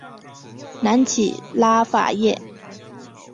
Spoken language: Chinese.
南起拉法叶。